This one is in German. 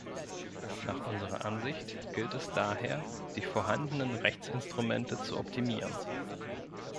Nach unserer Ansicht gilt es daher, die vorhandenen Rechtsinstrumente zu optimieren.